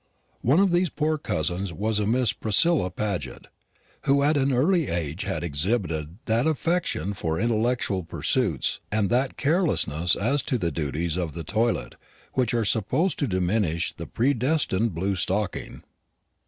One of these poor cousins was a Miss Priscilla Paget, who at an early age had exhibited that affection for intellectual pursuits and that carelessness as to the duties of the toilet which are supposed to distinguish the predestined blue stocking.